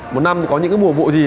một năm thì có những mùa vụ gì